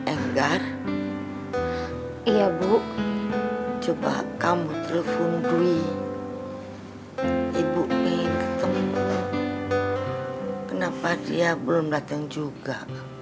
enggar iya bu coba kamu telepon dwi ibu mi ketemu kenapa dia belum datang juga